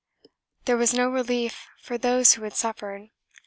There was no relief for those who had suffered.